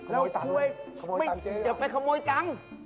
เราช่วยที่เจ๊อย่าไปขโมยตัง